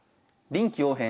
「臨機応変！」。